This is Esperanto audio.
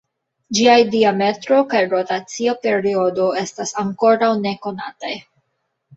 Ĝiaj diametro kaj rotacia periodo estas ankoraŭ nekonataj.